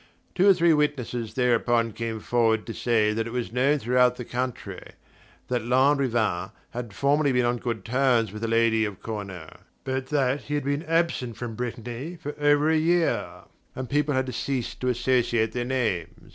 Two or three witnesses thereupon came forward to say that it was known throughout the country that Lanrivain had formerly been on good terms with the lady of Cornault; but that he had been absent from Brittany for over a year, and people had ceased to associate their names.